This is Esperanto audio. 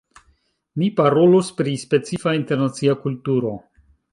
Mi parolus pri specifa, internacia kulturo.